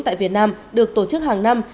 tại việt nam được tổ chức hàng năm